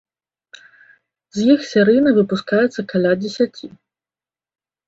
З іх серыйна выпускаецца каля дзесяці.